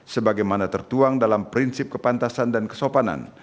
sebagaimana tertuang dalam prinsip kepantasan dan kesopanan